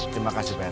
terima kasih pak rt